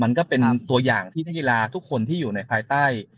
มันก็เป็นตัวอย่างที่นักกีฬาทุกคนที่อยู่ในภายใต้